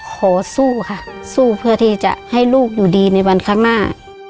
ขอสู้ค่ะสู้เพื่อให้ลูกอยู่ดีในวันครั้งหน้า